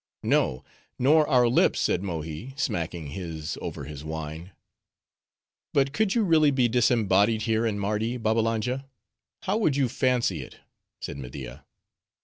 "No, nor our lips," said Mohi, smacking his over his wine. "But could you really be disembodied here in Mardi, Babbalanja, how would you fancy it?" said Media.